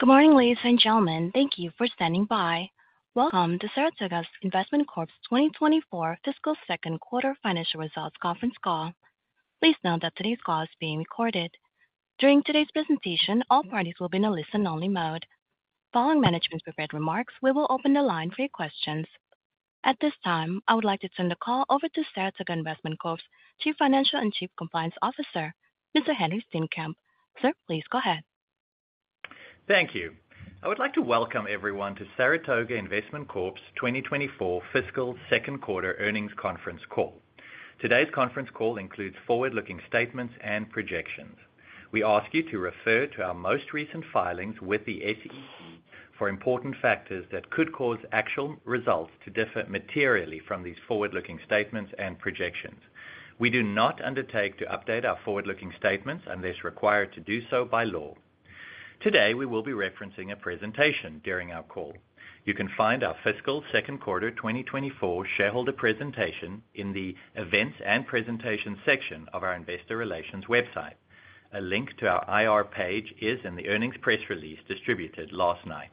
Good morning, ladies and gentlemen. Thank you for standing by. Welcome to Saratoga Investment Corp's 2024 fiscal second quarter financial results conference call. Please note that today's call is being recorded. During today's presentation, all parties will be in a listen-only mode. Following management's prepared remarks, we will open the line for your questions. At this time, I would like to turn the call over to Saratoga Investment Corp's Chief Financial and Chief Compliance Officer, Mr. Henri Steenkamp. Sir, please go ahead. Thank you. I would like to welcome everyone to Saratoga Investment Corp's 2024 fiscal second quarter earnings conference call. Today's conference call includes forward-looking statements and projections. We ask you to refer to our most recent filings with the SEC for important factors that could cause actual results to differ materially from these forward-looking statements and projections. We do not undertake to update our forward-looking statements unless required to do so by law. Today, we will be referencing a presentation during our call. You can find our fiscal second quarter 2024 shareholder presentation in the Events and Presentations section of our investor relations website. A link to our IR page is in the earnings press release distributed last night.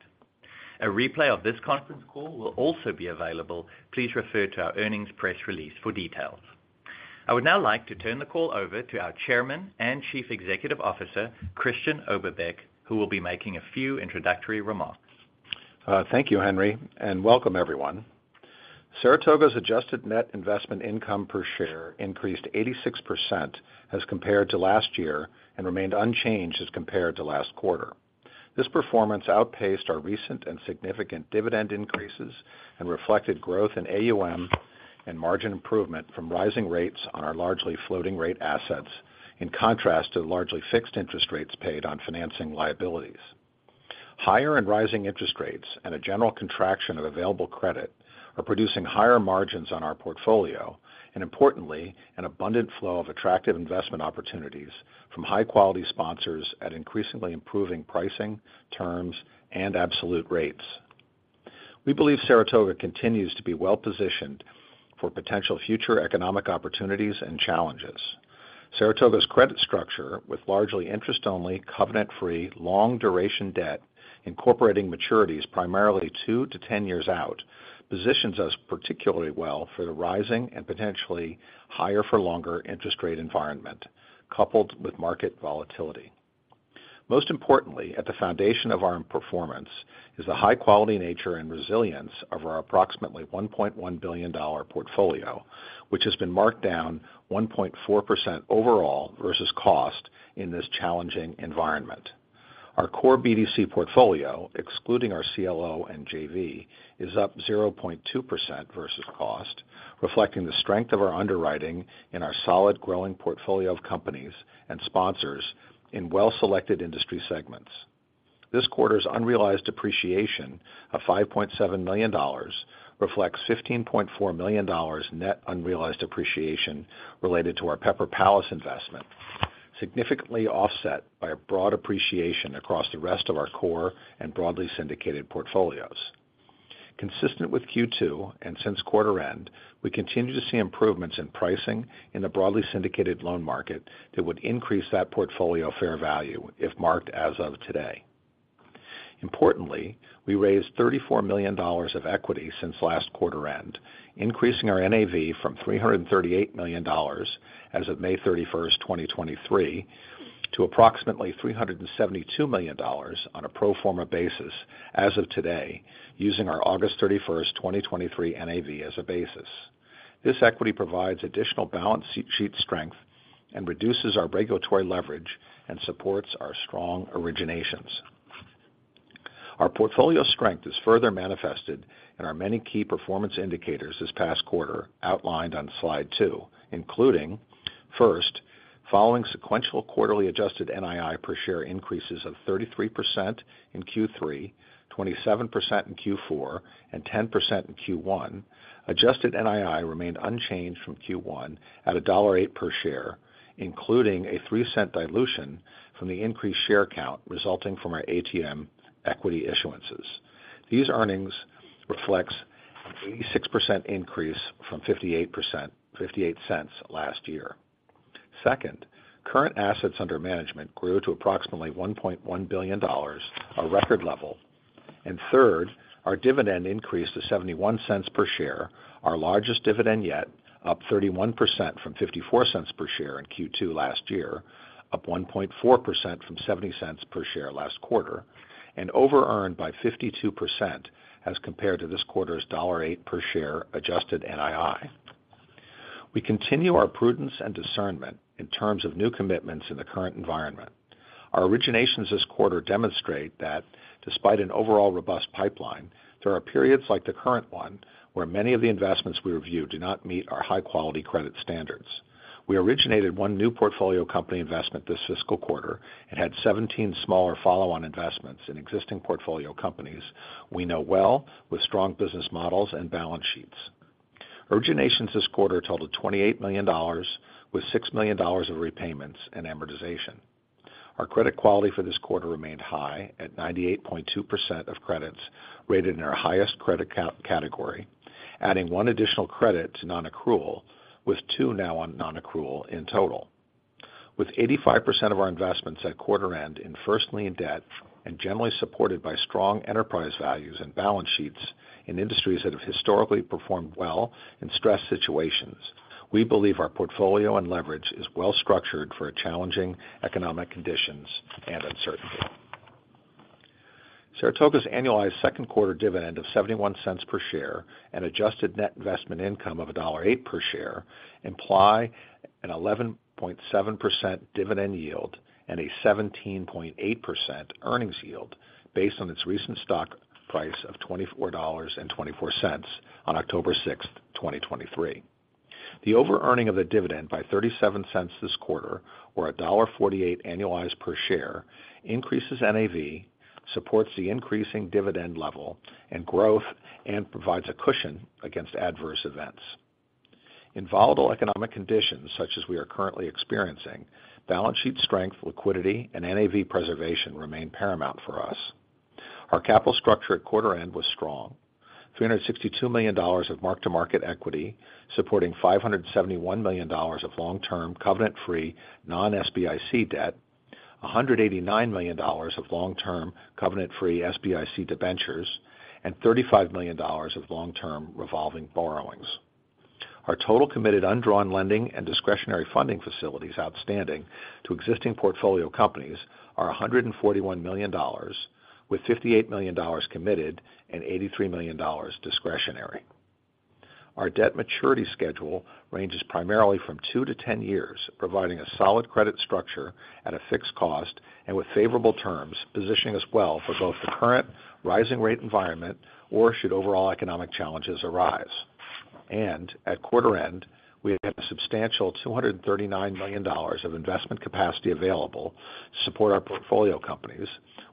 A replay of this conference call will also be available. Please refer to our earnings press release for details. I would now like to turn the call over to our Chairman and Chief Executive Officer, Christian Oberbeck, who will be making a few introductory remarks. Thank you, Henri, and welcome, everyone. Saratoga's adjusted net investment income per share increased 86% as compared to last year and remained unchanged as compared to last quarter. This performance outpaced our recent and significant dividend increases and reflected growth in AUM and margin improvement from rising rates on our largely floating-rate assets, in contrast to the largely fixed interest rates paid on financing liabilities. Higher and rising interest rates and a general contraction of available credit are producing higher margins on our portfolio and, importantly, an abundant flow of attractive investment opportunities from high-quality sponsors at increasingly improving pricing, terms, and absolute rates. We believe Saratoga continues to be well-positioned for potential future economic opportunities and challenges. Saratoga's credit structure, with largely interest-only, covenant-free, long-duration debt incorporating maturities primarily 2-10 years out, positions us particularly well for the rising and potentially higher-for-longer interest-rate environment, coupled with market volatility. Most importantly, at the foundation of our performance is the high-quality nature and resilience of our approximately $1.1 billion portfolio, which has been marked down 1.4% overall versus cost in this challenging environment. Our core BDC portfolio, excluding our CLO and JV, is up 0.2% versus cost, reflecting the strength of our underwriting in our solid, growing portfolio of companies and sponsors in well-selected industry segments. This quarter's unrealized appreciation of $5.7 million reflects $15.4 million net unrealized appreciation related to our Pepper Palace investment, significantly offset by a broad appreciation across the rest of our core and broadly syndicated portfolios. Consistent with Q2 and since quarter end, we continue to see improvements in pricing in the broadly syndicated loan market that would increase that portfolio fair value if marked as of today. Importantly, we raised $34 million of equity since last quarter end, increasing our NAV from $338 million as of May 31st, 2023, to approximately $372 million on a pro forma basis as of today, using our August 31st, 2023, NAV as a basis. This equity provides additional balance sheet strength and reduces our regulatory leverage and supports our strong originations. Our portfolio strength is further manifested in our many key performance indicators this past quarter, outlined on slide two, including, first, following sequential quarterly adjusted NII per share increases of 33% in Q3, 27% in Q4, and 10% in Q1, adjusted NII remained unchanged from Q1 at $1.08 per share, including a $0.03 dilution from the increased share count resulting from our ATM equity issuances. These earnings reflect an 86% increase from $0.58 last year. Second, current assets under management grew to approximately $1.1 billion, a record level. Third, our dividend increased to $0.71 per share, our largest dividend yet, up 31% from $0.54 per share in Q2 last year, up 1.4% from $0.70 per share last quarter, and over-earned by 52% as compared to this quarter's $1.08 per share adjusted NII. We continue our prudence and discernment in terms of new commitments in the current environment. Our originations this quarter demonstrate that, despite an overall robust pipeline, there are periods like the current one where many of the investments we review do not meet our high-quality credit standards. We originated one new portfolio company investment this fiscal quarter and had 17 smaller follow-on investments in existing portfolio companies we know well with strong business models and balance sheets. Originations this quarter totaled $28 million, with $6 million of repayments and amortization. Our credit quality for this quarter remained high at 98.2% of credits rated in our highest credit category, adding one additional credit to non-accrual, with two now on non-accrual in total. With 85% of our investments at quarter end in first lien debt and generally supported by strong enterprise values and balance sheets in industries that have historically performed well in stress situations, we believe our portfolio and leverage is well-structured for challenging economic conditions and uncertainty. Saratoga's annualized second quarter dividend of $0.71 per share and adjusted net investment income of $1.08 per share imply an 11.7% dividend yield and a 17.8% earnings yield based on its recent stock price of $24.24 on October 6th, 2023. The over-earning of the dividend by $0.37 this quarter, or $1.48 annualized per share, increases NAV, supports the increasing dividend level and growth, and provides a cushion against adverse events. In volatile economic conditions such as we are currently experiencing, balance sheet strength, liquidity, and NAV preservation remain paramount for us. Our capital structure at quarter end was strong: $362 million of mark-to-market equity supporting $571 million of long-term covenant-free non-SBIC debt, $189 million of long-term covenant-free SBIC debentures, and $35 million of long-term revolving borrowings. Our total committed undrawn lending and discretionary funding facilities, outstanding to existing portfolio companies, are $141 million, with $58 million committed and $83 million discretionary. Our debt maturity schedule ranges primarily from 2 to 10 years, providing a solid credit structure at a fixed cost and with favorable terms, positioning us well for both the current rising-rate environment or should overall economic challenges arise. At quarter end, we had a substantial $239 million of investment capacity available to support our portfolio companies,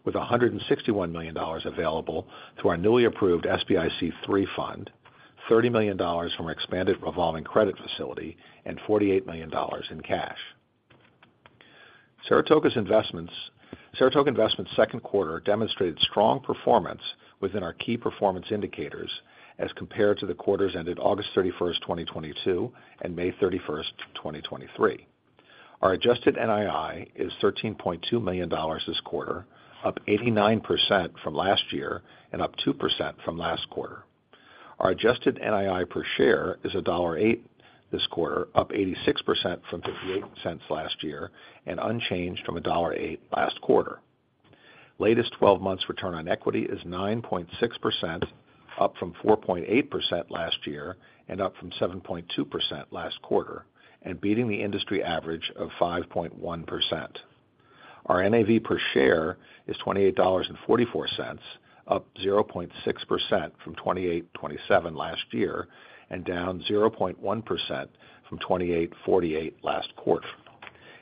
with $161 million available through our newly approved SBIC III fund, $30 million from our expanded revolving credit facility, and $48 million in cash. Saratoga Investment's second quarter demonstrated strong performance within our key performance indicators as compared to the quarters ended August 31st, 2022, and May 31st, 2023. Our adjusted NII is $13.2 million this quarter, up 89% from last year and up 2% from last quarter. Our adjusted NII per share is $1.08 this quarter, up 86% from $0.58 last year and unchanged from $1.08 last quarter. Latest 12 months return on equity is 9.6%, up from 4.8% last year and up from 7.2% last quarter and beating the industry average of 5.1%. Our NAV per share is $28.44, up 0.6% from $28.27 last year and down 0.1% from $28.48 last quarter,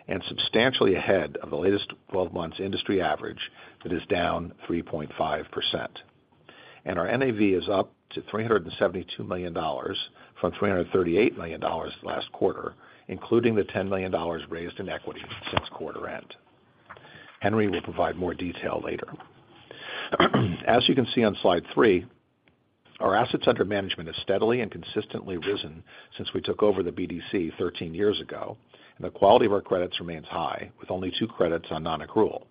and substantially ahead of the latest 12 months industry average that is down 3.5%. Our NAV is up to $372 million from $338 million last quarter, including the $10 million raised in equity since quarter end. Henri will provide more detail later. As you can see on slide three, our assets under management have steadily and consistently risen since we took over the BDC 13 years ago, and the quality of our credits remains high, with only two credits on non-accrual.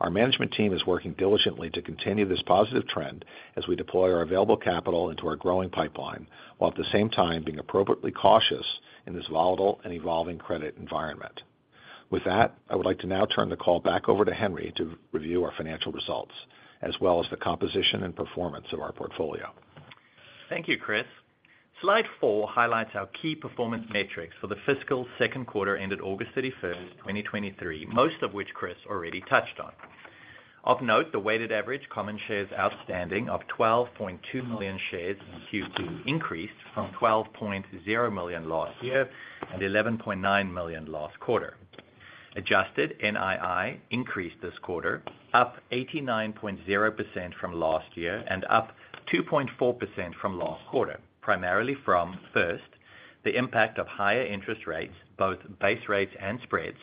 Our management team is working diligently to continue this positive trend as we deploy our available capital into our growing pipeline while at the same time being appropriately cautious in this volatile and evolving credit environment. With that, I would like to now turn the call back over to Henri to review our financial results, as well as the composition and performance of our portfolio. Thank you, Chris. Slide four highlights our key performance metrics for the fiscal second quarter ended August 31st, 2023, most of which Chris already touched on. Of note, the weighted average common shares outstanding of 12.2 million shares in Q2 increased from 12.0 million last year and 11.9 million last quarter. Adjusted NII increased this quarter, up 89.0% from last year and up 2.4% from last quarter, primarily from, first, the impact of higher interest rates, both base rates and spreads,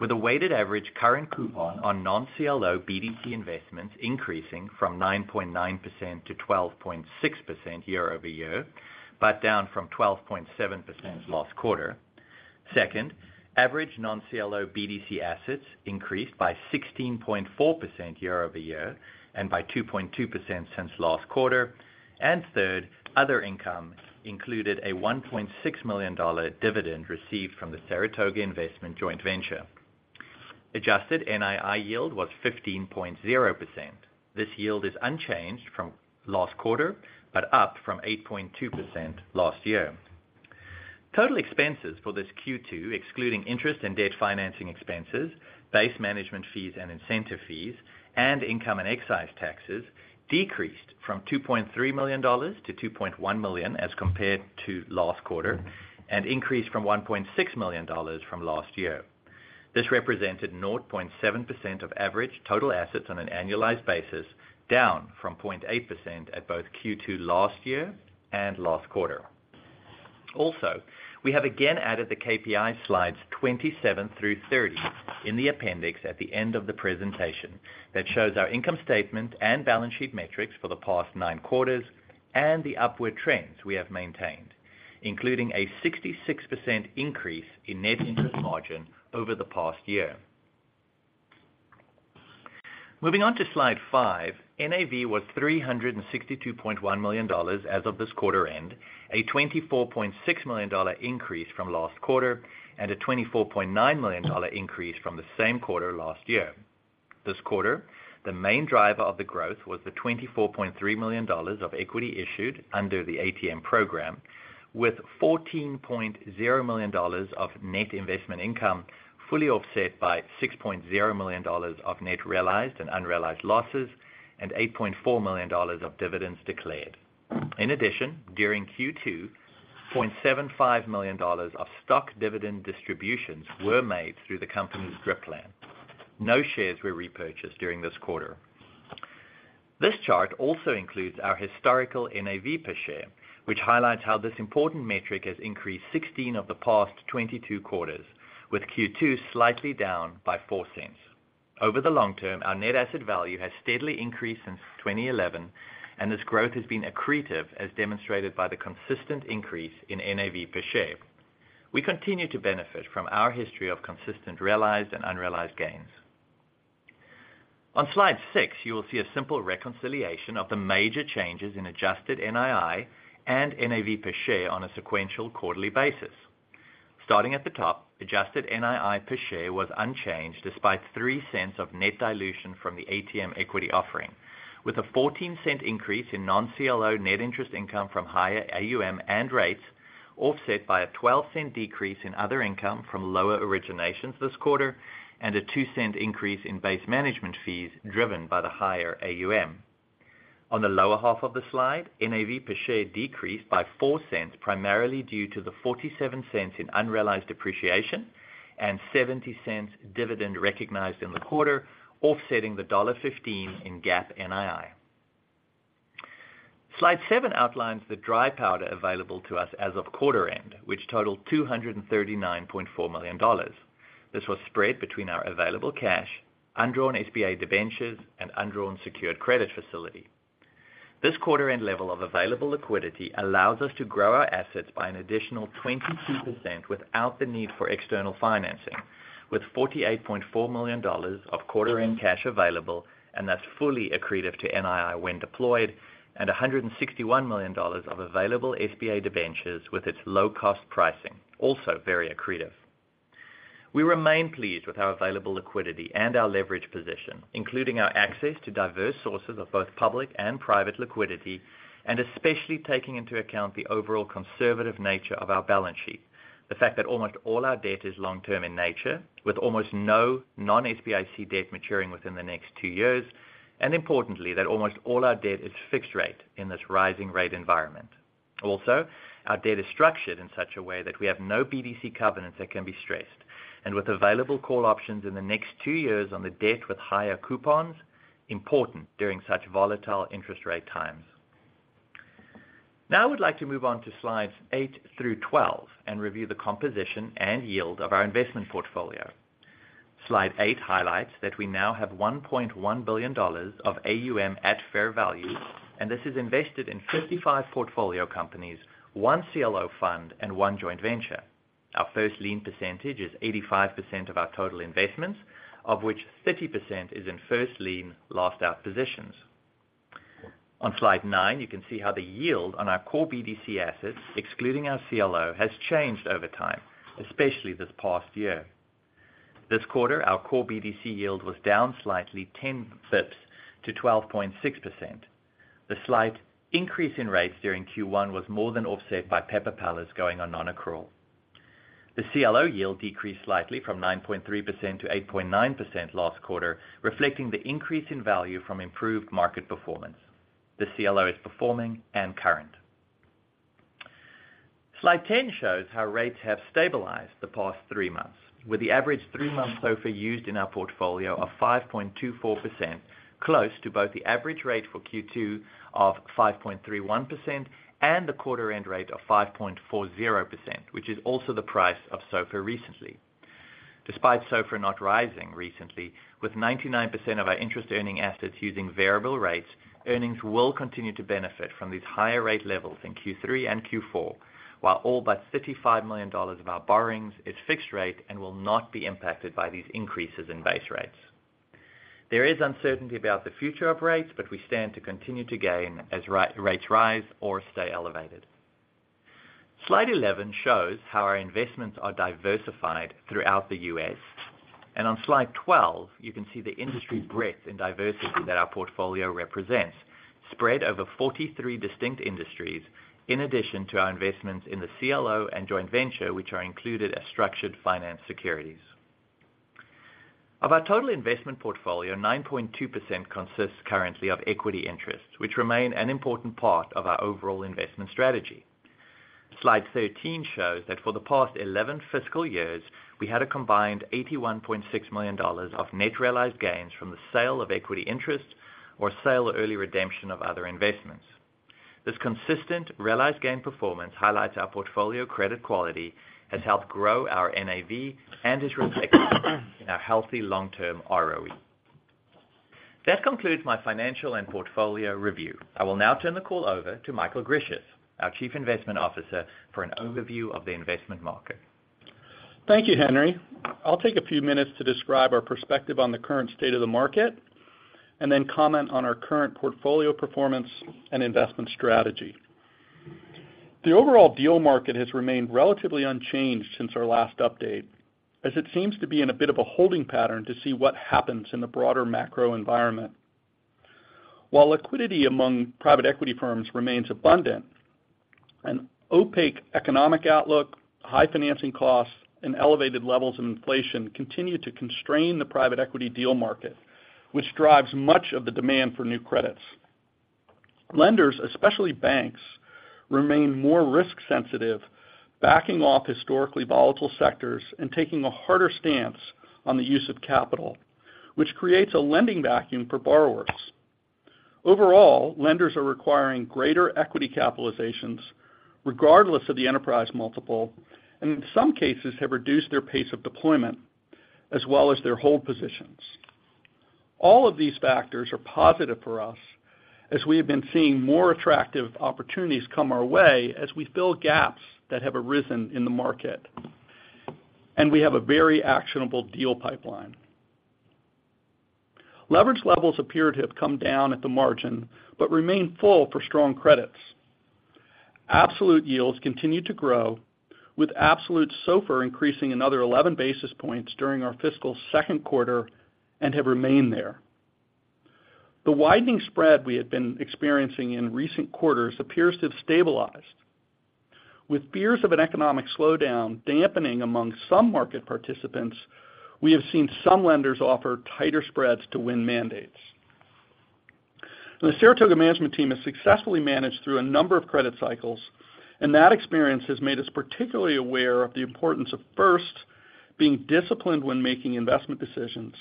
with a weighted average current coupon on non-CLO BDC investments increasing from 9.9% to 12.6% year-over-year, but down from 12.7% last quarter. Second, average non-CLO BDC assets increased by 16.4% year over year and by 2.2% since last quarter. Third, other income, including a $1.6 million dividend received from the Saratoga Investment Joint Venture. Adjusted NII yield was 15.0%. This yield is unchanged from last quarter, but up from 8.2% last year. Total expenses for this Q2, excluding interest and debt financing expenses, base management fees and incentive fees, and income and excise taxes, decreased from $2.3 million to $2.1 million as compared to last quarter and increased from $1.6 million from last year. This represented 0.7% of average total assets on an annualized basis, down from 0.8% at both Q2 last year and last quarter. Also, we have again added the KPI slides 27 through 30 in the appendix at the end of the presentation that shows our income statement and balance sheet metrics for the past nine quarters and the upward trends we have maintained, including a 66% increase in net interest margin over the past year. Moving on to slide five, NAV was $362.1 million as of this quarter end, a $24.6 million increase from last quarter, and a $24.9 million increase from the same quarter last year. This quarter, the main driver of the growth was the $24.3 million of equity issued under the ATM program, with $14.0 million of net investment income fully offset by $6.0 million of net realized and unrealized losses and $8.4 million of dividends declared. In addition, during Q2, $0.75 million of stock dividend distributions were made through the company's DRIP plan. No shares were repurchased during this quarter. This chart also includes our historical NAV per share, which highlights how this important metric has increased 16 of the past 22 quarters, with Q2 slightly down by $0.04. Over the long term, our net asset value has steadily increased since 2011, and this growth has been accretive, as demonstrated by the consistent increase in NAV per share. We continue to benefit from our history of consistent realized and unrealized gains. On slide six, you will see a simple reconciliation of the major changes in adjusted NII and NAV per share on a sequential quarterly basis. Starting at the top, adjusted NII per share was unchanged despite $0.03 of net dilution from the ATM equity offering, with a $0.14 increase in non-CLO net interest income from higher AUM and rates, offset by a $0.12 decrease in other income from lower originations this quarter and a $0.02 increase in base management fees driven by the higher AUM. On the lower half of the slide, NAV per share decreased by $0.04, primarily due to the $0.47 in unrealized depreciation and $0.70 dividend recognized in the quarter, offsetting the $1.15 in GAAP NII. Slide seven outlines the dry powder available to us as of quarter end, which totaled $239.4 million. This was spread between our available cash, undrawn SBA debentures, and undrawn secured credit facility. This quarter-end level of available liquidity allows us to grow our assets by an additional 22% without the need for external financing, with $48.4 million of quarter-end cash available and thus fully accretive to NII when deployed, and $161 million of available SBA debentures with its low-cost pricing, also very accretive. We remain pleased with our available liquidity and our leverage position, including our access to diverse sources of both public and private liquidity, and especially taking into account the overall conservative nature of our balance sheet, the fact that almost all our debt is long-term in nature, with almost no non-SBIC debt maturing within the next two years, and importantly, that almost all our debt is fixed-rate in this rising-rate environment. Also, our debt is structured in such a way that we have no BDC covenants that can be stressed, and with available call options in the next two years on the debt with higher coupons, important during such volatile interest-rate times. Now I would like to move on to slides eight through 12 and review the composition and yield of our investment portfolio. Slide eight highlights that we now have $1.1 billion of AUM at fair value, and this is invested in 55 portfolio companies, one CLO fund, and one joint venture. Our first lien percentage is 85% of our total investments, of which 30% is in first lien last-out positions. On slide nine, you can see how the yield on our core BDC assets, excluding our CLO, has changed over time, especially this past year. This quarter, our core BDC yield was down slightly 10 basis points to 12.6%. The slight increase in rates during Q1 was more than offset by Pepper Palace going on non-accrual. The CLO yield decreased slightly from 9.3% to 8.9% last quarter, reflecting the increase in value from improved market performance. The CLO is performing and current. Slide 10 shows how rates have stabilized the past three months, with the average three-month SOFR used in our portfolio of 5.24%, close to both the average rate for Q2 of 5.31% and the quarter-end rate of 5.40%, which is also the price of SOFR recently. Despite SOFR not rising recently, with 99% of our interest-earning assets using variable rates, earnings will continue to benefit from these higher-rate levels in Q3 and Q4, while all but $35 million of our borrowings is fixed-rate and will not be impacted by these increases in base rates. There is uncertainty about the future of rates, but we stand to continue to gain as rates rise or stay elevated. Slide 11 shows how our investments are diversified throughout the U.S. On slide 12, you can see the industry breadth and diversity that our portfolio represents, spread over 43 distinct industries, in addition to our investments in the CLO and joint venture, which are included as structured finance securities. Of our total investment portfolio, 9.2% consists currently of equity interests, which remain an important part of our overall investment strategy. Slide 13 shows that for the past 11 fiscal years, we had a combined $81.6 million of net realized gains from the sale of equity interests or sale or early redemption of other investments. This consistent realized gain performance highlights our portfolio credit quality has helped grow our NAV and is reflected in our healthy long-term ROE. That concludes my financial and portfolio review. I will now turn the call over to Michael Grisius, our Chief Investment Officer, for an overview of the investment market. Thank you, Henri. I'll take a few minutes to describe our perspective on the current state of the market and then comment on our current portfolio performance and investment strategy. The overall deal market has remained relatively unchanged since our last update, as it seems to be in a bit of a holding pattern to see what happens in the broader macro environment. While liquidity among private equity firms remains abundant, an opaque economic outlook, high financing costs, and elevated levels of inflation continue to constrain the private equity deal market, which drives much of the demand for new credits. Lenders, especially banks, remain more risk-sensitive, backing off historically volatile sectors and taking a harder stance on the use of capital, which creates a lending vacuum for borrowers. Overall, lenders are requiring greater equity capitalizations, regardless of the enterprise multiple, and in some cases have reduced their pace of deployment, as well as their hold positions. All of these factors are positive for us, as we have been seeing more attractive opportunities come our way as we fill gaps that have arisen in the market, and we have a very actionable deal pipeline. Leverage levels appear to have come down at the margin but remain full for strong credits. Absolute yields continue to grow, with absolute SOFR increasing another 11 basis points during our fiscal second quarter and have remained there. The widening spread we had been experiencing in recent quarters appears to have stabilized. With fears of an economic slowdown dampening among some market participants, we have seen some lenders offer tighter spreads to win mandates. The Saratoga Management team has successfully managed through a number of credit cycles, and that experience has made us particularly aware of the importance of, first, being disciplined when making investment decisions,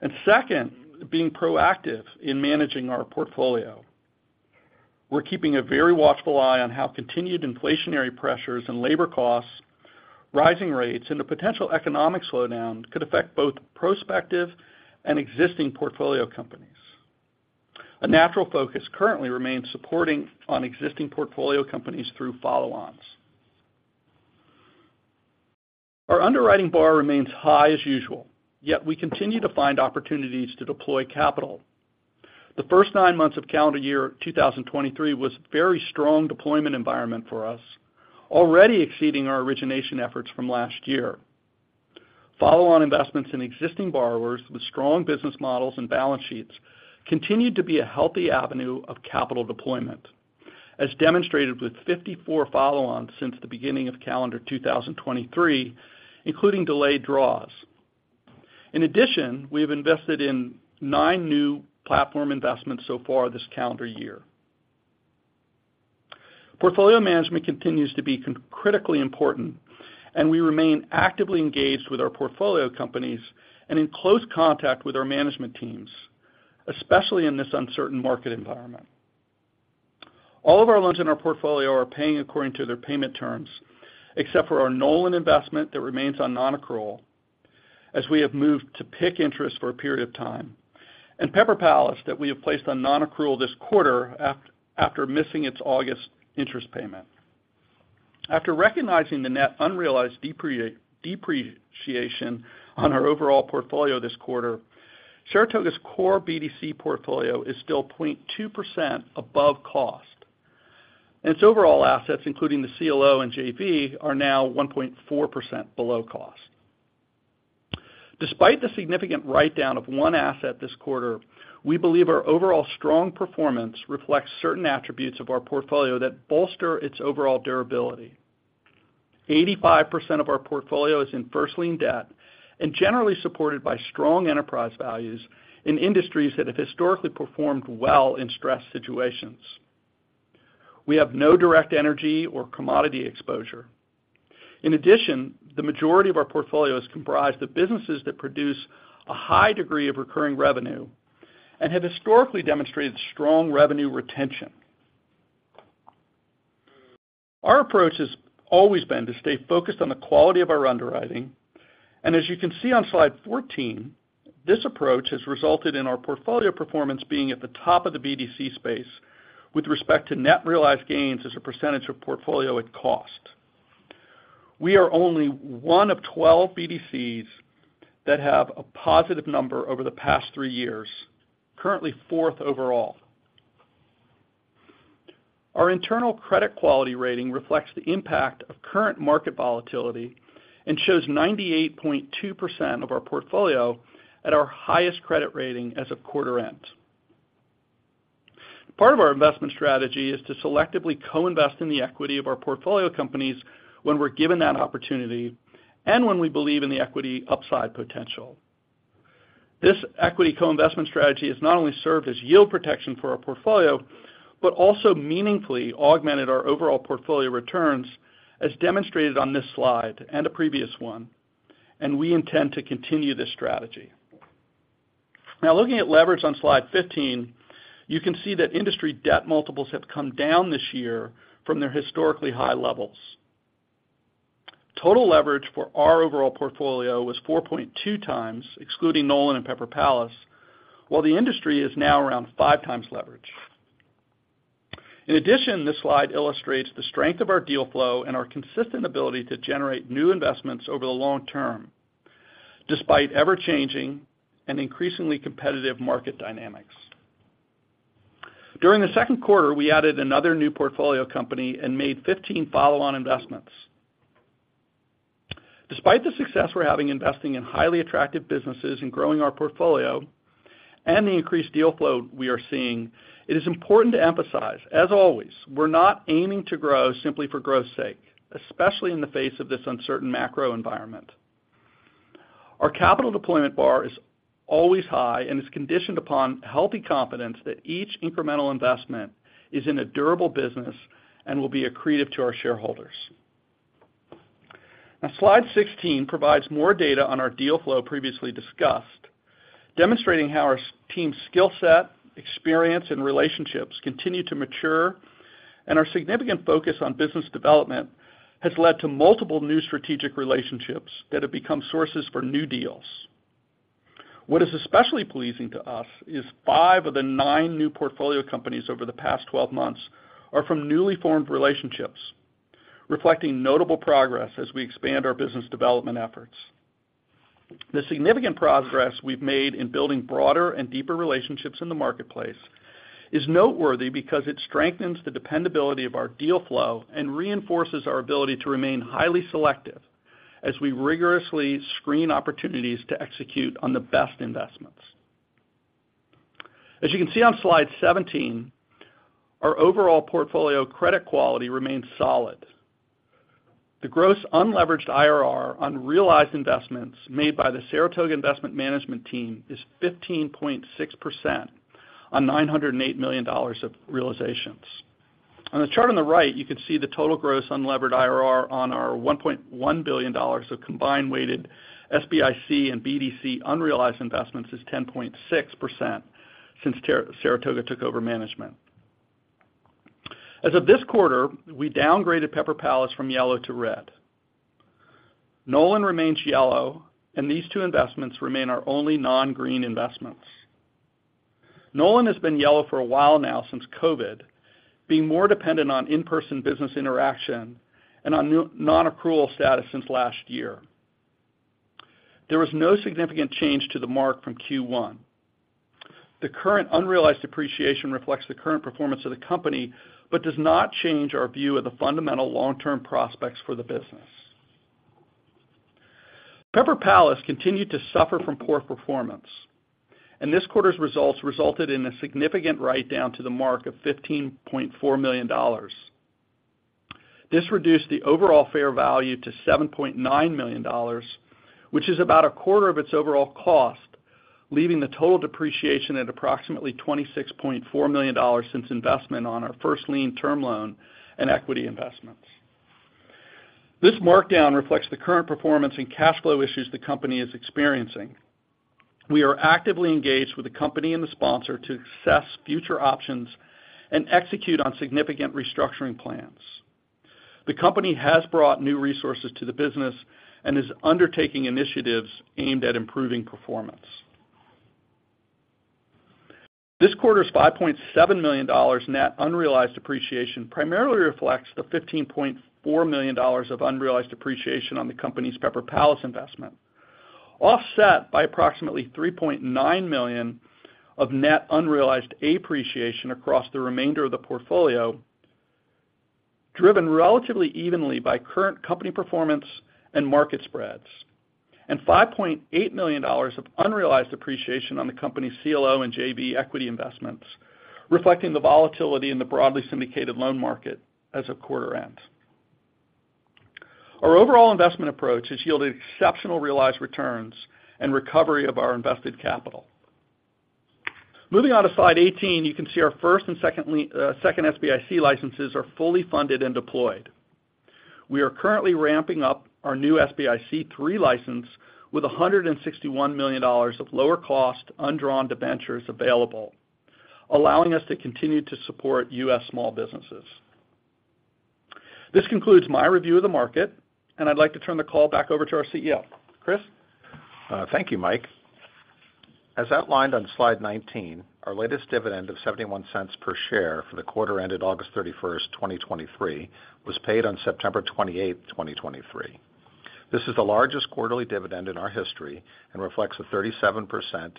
and second, being proactive in managing our portfolio. We're keeping a very watchful eye on how continued inflationary pressures and labor costs, rising rates, and a potential economic slowdown could affect both prospective and existing portfolio companies. A natural focus currently remains supporting on existing portfolio companies through follow-ons. Our underwriting bar remains high as usual, yet we continue to find opportunities to deploy capital. The first nine months of calendar year 2023 was a very strong deployment environment for us, already exceeding our origination efforts from last year. Follow-on investments in existing borrowers with strong business models and balance sheets continued to be a healthy avenue of capital deployment, as demonstrated with 54 follow-ons since the beginning of calendar 2023, including delayed draws. In addition, we have invested in nine new platform investments so far this calendar year. Portfolio management continues to be critically important, and we remain actively engaged with our portfolio companies and in close contact with our management teams, especially in this uncertain market environment. All of our loans in our portfolio are paying according to their payment terms, except for our Knowland investment that remains on non-accrual, as we have moved to PIK interest for a period of time, and Pepper Palace that we have placed on non-accrual this quarter after missing its August interest payment. After recognizing the net unrealized depreciation on our overall portfolio this quarter, Saratoga's core BDC portfolio is still 0.2% above cost, and its overall assets, including the CLO and JV, are now 1.4% below cost. Despite the significant write-down of one asset this quarter, we believe our overall strong performance reflects certain attributes of our portfolio that bolster its overall durability. 85% of our portfolio is in first lien debt and generally supported by strong enterprise values in industries that have historically performed well in stressed situations. We have no direct energy or commodity exposure. In addition, the majority of our portfolio is comprised of businesses that produce a high degree of recurring revenue and have historically demonstrated strong revenue retention. Our approach has always been to stay focused on the quality of our underwriting, and as you can see on slide 14, this approach has resulted in our portfolio performance being at the top of the BDC space with respect to net realized gains as a percentage of portfolio at cost. We are only one of 12 BDCs that have a positive number over the past three years, currently fourth overall. Our internal credit quality rating reflects the impact of current market volatility and shows 98.2% of our portfolio at our highest credit rating as of quarter end. Part of our investment strategy is to selectively co-invest in the equity of our portfolio companies when we're given that opportunity and when we believe in the equity upside potential. This equity co-investment strategy has not only served as yield protection for our portfolio but also meaningfully augmented our overall portfolio returns, as demonstrated on this slide and a previous one, and we intend to continue this strategy. Now, looking at leverage on slide 15, you can see that industry debt multiples have come down this year from their historically high levels. Total leverage for our overall portfolio was 4.2x, excluding Knowland and Pepper Palace, while the industry is now around 5x leverage. In addition, this slide illustrates the strength of our deal flow and our consistent ability to generate new investments over the long term, despite ever-changing and increasingly competitive market dynamics. During the second quarter, we added another new portfolio company and made 15 follow-on investments. Despite the success we're having investing in highly attractive businesses and growing our portfolio and the increased deal flow we are seeing, it is important to emphasize, as always, we're not aiming to grow simply for growth's sake, especially in the face of this uncertain macro environment. Our capital deployment bar is always high and is conditioned upon healthy confidence that each incremental investment is in a durable business and will be accretive to our shareholders. Now, slide 16 provides more data on our deal flow previously discussed, demonstrating how our team's skill set, experience, and relationships continue to mature, and our significant focus on business development has led to multiple new strategic relationships that have become sources for new deals. What is especially pleasing to us is five of the nine new portfolio companies over the past 12 months are from newly formed relationships, reflecting notable progress as we expand our business development efforts. The significant progress we've made in building broader and deeper relationships in the marketplace is noteworthy because it strengthens the dependability of our deal flow and reinforces our ability to remain highly selective as we rigorously screen opportunities to execute on the best investments. As you can see on slide 17, our overall portfolio credit quality remains solid. The gross unleveraged IRR on realized investments made by the Saratoga Investment Management team is 15.6% on $908 million of realizations. On the chart on the right, you can see the total gross unlevered IRR on our $1.1 billion of combined weighted SBIC and BDC unrealized investments is 10.6% since Saratoga took over management. As of this quarter, we downgraded Pepper Palace from yellow to red. Knowland remains yellow, and these two investments remain our only non-green investments. Knowland has been yellow for a while now since COVID, being more dependent on in-person business interaction and on non-accrual status since last year. There was no significant change to the mark from Q1. The current unrealized depreciation reflects the current performance of the company but does not change our view of the fundamental long-term prospects for the business. Pepper Palace continued to suffer from poor performance, and this quarter's results resulted in a significant write-down to the mark of $15.4 million. This reduced the overall fair value to $7.9 million, which is about a quarter of its overall cost, leaving the total depreciation at approximately $26.4 million since investment on our first lien term loan and equity investments. This markdown reflects the current performance and cash flow issues the company is experiencing. We are actively engaged with the company and the sponsor to assess future options and execute on significant restructuring plans. The company has brought new resources to the business and is undertaking initiatives aimed at improving performance. This quarter's $5.7 million net unrealized depreciation primarily reflects the $15.4 million of unrealized depreciation on the company's Pepper Palace investment, offset by approximately $3.9 million of net unrealized appreciation across the remainder of the portfolio, driven relatively evenly by current company performance and market spreads, and $5.8 million of unrealized appreciation on the company's CLO and JV equity investments, reflecting the volatility in the broadly syndicated loan market as of quarter end. Our overall investment approach has yielded exceptional realized returns and recovery of our invested capital. Moving on to slide 18, you can see our first and second SBIC licenses are fully funded and deployed. We are currently ramping up our new SBIC III license with $161 million of lower-cost undrawn debentures available, allowing us to continue to support U.S. small businesses. This concludes my review of the market, and I'd like to turn the call back over to our CEO. Chris? Thank you, Mike. As outlined on slide 19, our latest dividend of $0.71 per share for the quarter ended August 31st, 2023, was paid on September 28, 2023. This is the largest quarterly dividend in our history and reflects a 37%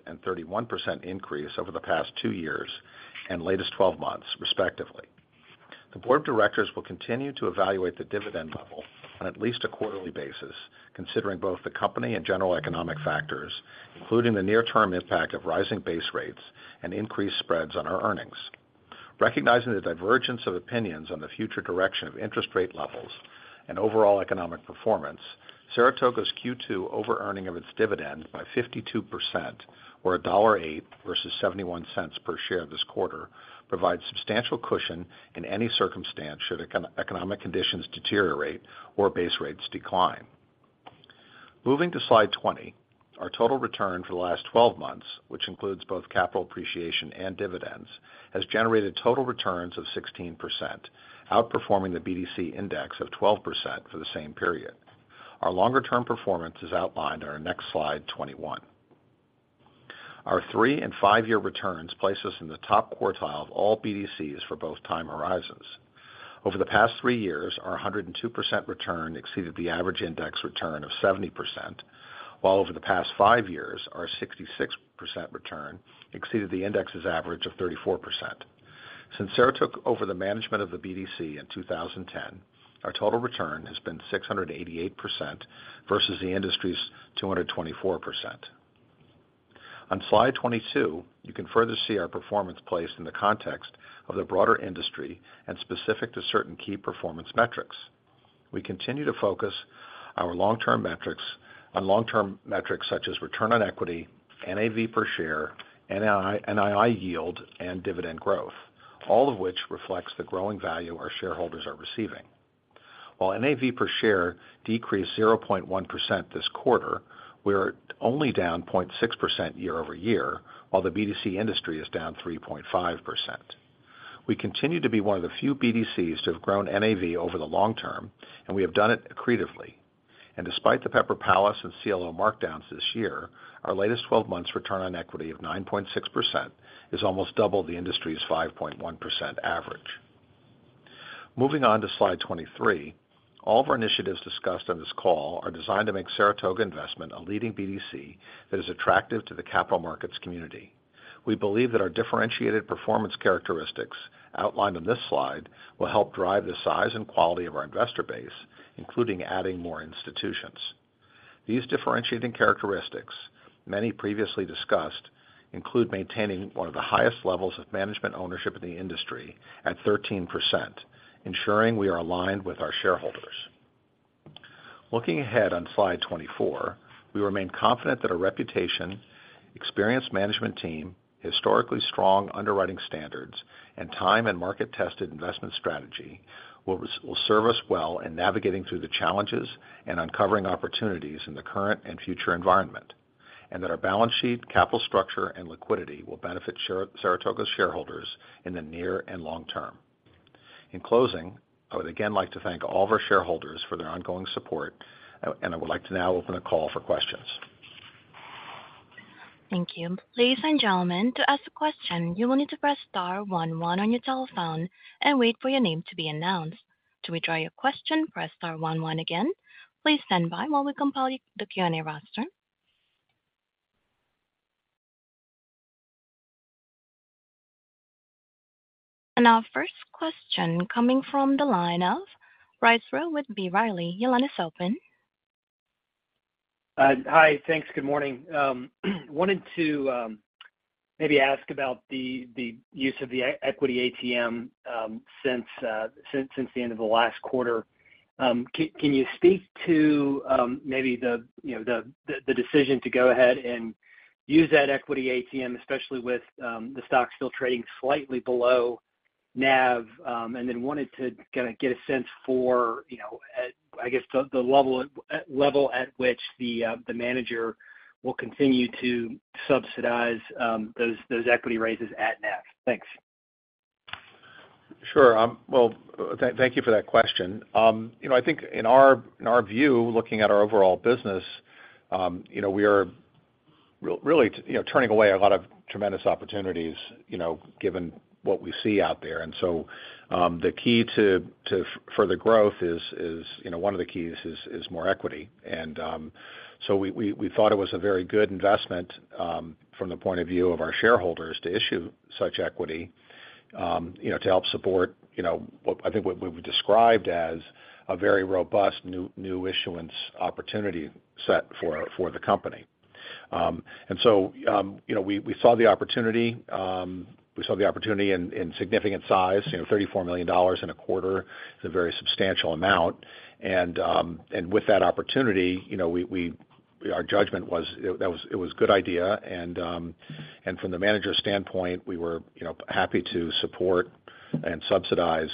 and 31% increase over the past two years and latest 12 months, respectively. The board of directors will continue to evaluate the dividend level on at least a quarterly basis, considering both the company and general economic factors, including the near-term impact of rising base rates and increased spreads on our earnings. Recognizing the divergence of opinions on the future direction of interest rate levels and overall economic performance, Saratoga's Q2 over-earning of its dividend by 52%, or $1.08 versus $0.71 per share this quarter, provides substantial cushion in any circumstance should economic conditions deteriorate or base rates decline. Moving to slide 20, our total return for the last 12 months, which includes both capital appreciation and dividends, has generated total returns of 16%, outperforming the BDC index of 12% for the same period. Our longer-term performance is outlined on our next slide, 21. Our three- and five-year returns place us in the top quartile of all BDCs for both time horizons. Over the past three years, our 102% return exceeded the average index return of 70%, while over the past five years, our 66% return exceeded the index's average of 34%. Since Saratoga took over the management of the BDC in 2010, our total return has been 688% versus the industry's 224%. On slide 22, you can further see our performance placed in the context of the broader industry and specific to certain key performance metrics. We continue to focus our long-term metrics on long-term metrics such as return on equity, NAV per share, NII yield, and dividend growth, all of which reflects the growing value our shareholders are receiving. While NAV per share decreased 0.1% this quarter, we are only down 0.6% year-over-year, while the BDC industry is down 3.5%. We continue to be one of the few BDCs to have grown NAV over the long term, and we have done it accretively. And despite the Pepper Palace and CLO markdowns this year, our latest 12 months return on equity of 9.6% is almost double the industry's 5.1% average. Moving on to slide 23, all of our initiatives discussed on this call are designed to make Saratoga Investment a leading BDC that is attractive to the capital markets community. We believe that our differentiated performance characteristics outlined on this slide will help drive the size and quality of our investor base, including adding more institutions. These differentiating characteristics, many previously discussed, include maintaining one of the highest levels of management ownership in the industry at 13%, ensuring we are aligned with our shareholders. Looking ahead on slide 24, we remain confident that our reputation, experienced management team, historically strong underwriting standards, and time-and-market-tested investment strategy will serve us well in navigating through the challenges and uncovering opportunities in the current and future environment, and that our balance sheet, capital structure, and liquidity will benefit Saratoga's shareholders in the near and long term. In closing, I would again like to thank all of our shareholders for their ongoing support, and I would like to now open the call for questions. Thank you. Ladies and gentlemen, to ask a question, you will need to press star one one on your telephone and wait for your name to be announced. To withdraw your question, press star one one again. Please stand by while we compile the Q&A roster. Our first question coming from the line of Bryce Rowe with B. Riley. Your line is open. Hi. Thanks. Good morning. Wanted to maybe ask about the use of the equity ATM since the end of the last quarter. Can you speak to maybe the decision to go ahead and use that equity ATM, especially with the stock still trading slightly below NAV, and then wanted to kind of get a sense for, I guess, the level at which the manager will continue to subsidize those equity raises at NAV? Thanks. Sure. Well, thank you for that question. I think in our view, looking at our overall business, we are really turning away a lot of tremendous opportunities given what we see out there. And so the key to further growth is one of the keys is more equity. And so we thought it was a very good investment from the point of view of our shareholders to issue such equity to help support what I think what we've described as a very robust new issuance opportunity set for the company. And so we saw the opportunity. We saw the opportunity in significant size. $34 million in a quarter is a very substantial amount. And with that opportunity, our judgment was it was a good idea. From the manager's standpoint, we were happy to support and subsidize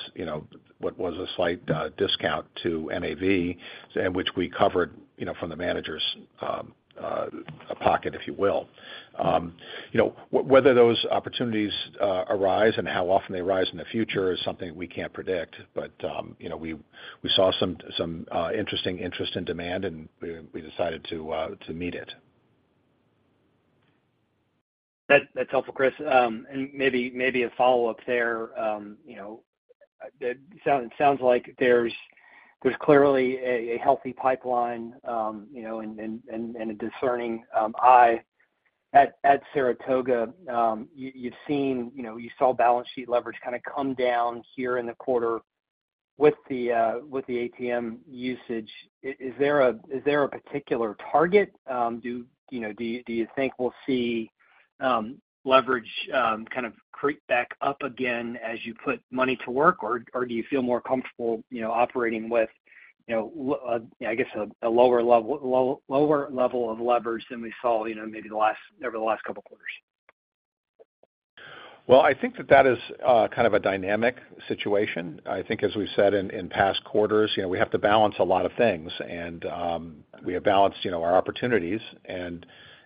what was a slight discount to NAV, which we covered from the manager's pocket, if you will. Whether those opportunities arise and how often they arise in the future is something we can't predict, but we saw some interesting interest in demand, and we decided to meet it. That's helpful, Chris. And maybe a follow-up there. It sounds like there's clearly a healthy pipeline and a discerning eye at Saratoga. You saw balance sheet leverage kind of come down here in the quarter with the ATM usage. Is there a particular target? Do you think we'll see leverage kind of creep back up again as you put money to work, or do you feel more comfortable operating with, I guess, a lower level of leverage than we saw maybe over the last couple of quarters? Well, I think that that is kind of a dynamic situation. I think, as we've said in past quarters, we have to balance a lot of things, and we have balanced our opportunities.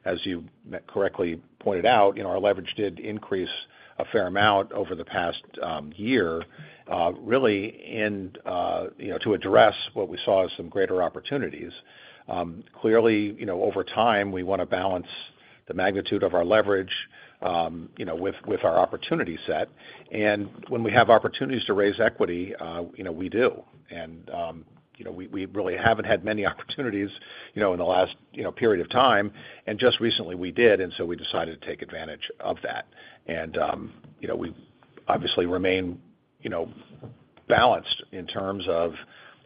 As you correctly pointed out, our leverage did increase a fair amount over the past year, really to address what we saw as some greater opportunities. Clearly, over time, we want to balance the magnitude of our leverage with our opportunity set. When we have opportunities to raise equity, we do. We really haven't had many opportunities in the last period of time. Just recently, we did, and so we decided to take advantage of that. We obviously remain balanced in terms of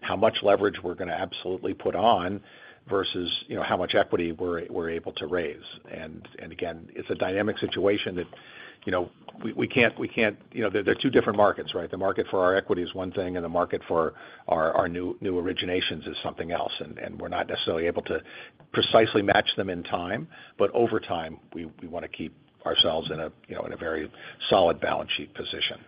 how much leverage we're going to absolutely put on versus how much equity we're able to raise. And again, it's a dynamic situation that we can't. There are two different markets, right? The market for our equity is one thing, and the market for our new originations is something else. And we're not necessarily able to precisely match them in time, but over time, we want to keep ourselves in a very solid balance sheet position.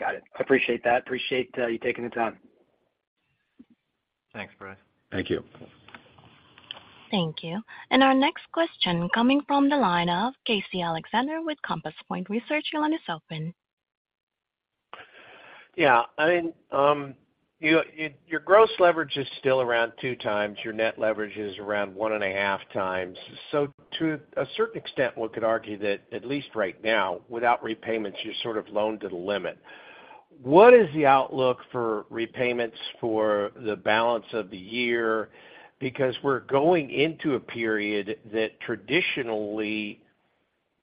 Got it. I appreciate that. Appreciate you taking the time. Thanks, Bryce. Thank you. Thank you. Our next question coming from the line of Casey Alexander with Compass Point Research. Your line is open. Yeah. I mean, your gross leverage is still around 2x. Your net leverage is around 1.5x. So to a certain extent, one could argue that at least right now, without repayments, you're sort of loaned to the limit. What is the outlook for repayments for the balance of the year? Because we're going into a period that traditionally